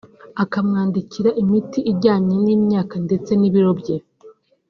akamwandikira imiti ijyanye n’imyaka ndetse n’ibiro bye